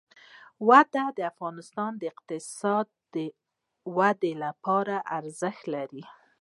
وادي د افغانستان د اقتصادي ودې لپاره ارزښت لري.